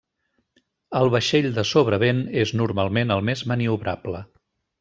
El vaixell de sobrevent és normalment el més maniobrable.